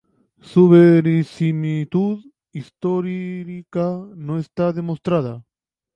Su verosimilitud histórica no está demostrada.